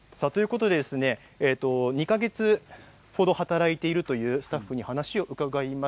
２か月程働いているというスタッフに話を伺います。